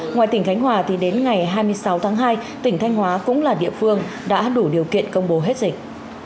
ngoài tỉnh khánh hòa thì đến ngày hai mươi sáu tháng hai tỉnh thanh hóa cũng là địa phương đã đủ điều kiện công bố hết dịch